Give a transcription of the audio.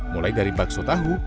mulai dari bakso tahu